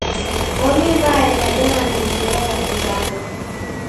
W'omi w'aghenda dema midi yeagha kigharo